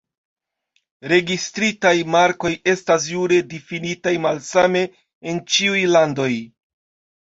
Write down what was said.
Registritaj markoj estas jure difinitaj malsame en ĉiuj landoj.